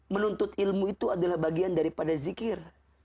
menuntut ilmu itu adalah bagian daripada zikir